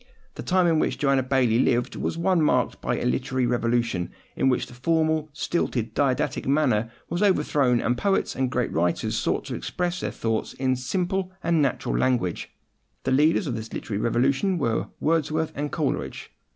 The time in which Joanna Baillie lived was one marked by a literary revolution, in which the formal, stilted, and didactic manner was overthrown, and poets and great writers sought to express their thoughts in simple and natural language. The leaders of this literary revolution were Wordsworth and Coleridge.